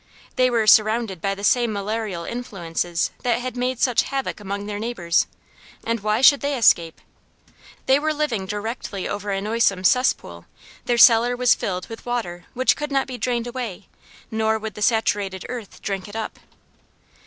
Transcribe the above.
They were surrounded by the same malarial influences that had made such havoc among their neighbors, and why should they escape? They were living directly over a noisome cess pool; their cellar was filled with water which could not be drained away, nor would the saturated earth drink it up.